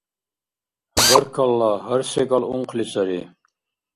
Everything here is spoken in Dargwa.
Баркалла, гьар секӀал ункъли сари.